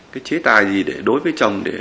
cái chế tài gì để đối với chồng để